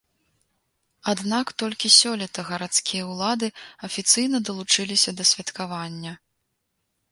Аднак толькі сёлета гарадскія ўлады афіцыйна далучыліся да святкавання.